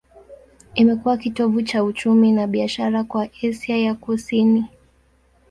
Imekuwa kitovu cha uchumi na biashara kwa Asia ya Kusini.